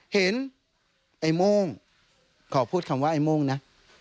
เห็นไอ้โม่งขอพูดคำว่าไอ้โม่งนะ